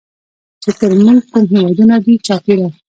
چې تر مونږ کوم هېوادونه دي چاپېره